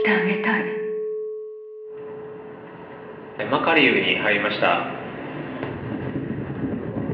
マカリウに入りました。